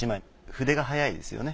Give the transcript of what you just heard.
筆が速いですよね。